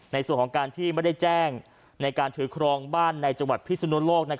ในส่วนของการที่ไม่ได้แจ้งในการถือครองบ้านในจังหวัดพิศนุโลก